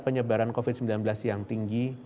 penyebaran covid sembilan belas yang tinggi